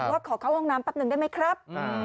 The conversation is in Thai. ว่าขอเข้าห้องน้ำแป๊บหนึ่งได้ไหมครับ